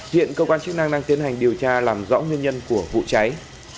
hiện cơ quan chức năng đang tiến hành điều tra làm rõ nguyên nhân của vụ cháy